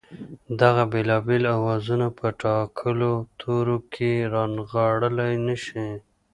دغه بېلابېل آوازونه په ټاکلو تورو کې رانغاړلای نه شي